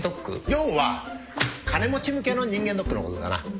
要は金持ち向けの人間ドックのことだな。